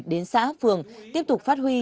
đến xã phường tiếp tục phát huy